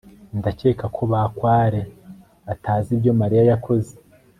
ndakeka ko bakware atazi ibyo mariya yakoze